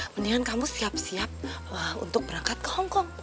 mendingan kamu siap siap untuk berangkat ke hong kong